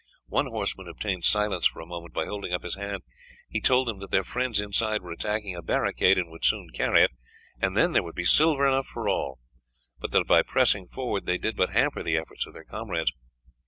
One horseman obtained silence for a moment by holding up his hand. He told them that their friends inside were attacking a barricade, and would soon carry it, and then there would be silver enough for all; but that by pressing forward they did but hamper the efforts of their comrades.